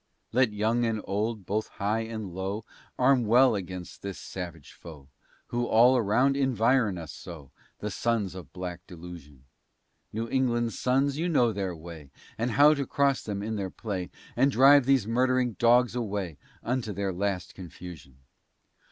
Let young and old, both high and low, Arm well against this savage foe, Who all around inviron us so, The sons of black delusion. New England's sons you know their way, And how to cross them in their play, And drive these murdering dogs away, Unto their last confusion.